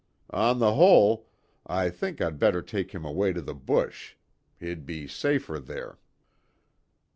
On the whole, I think I'd better take him away to the bush. He'd be safer there."